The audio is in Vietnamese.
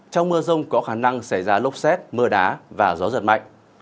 trong mưa rông có khả năng xảy ra lốc xét mưa đá và gió giật mạnh